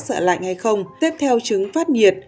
sợ lạnh hay không xếp theo chứng phát nhiệt